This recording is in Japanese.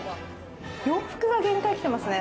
洋服が限界きてますね。